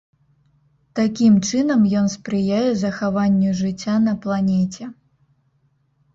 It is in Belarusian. Такім чынам ён спрыяе захаванню жыцця на планеце.